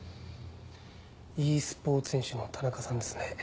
ｅスポーツ選手の田中さんですね